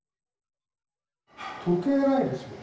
時計ないですよね。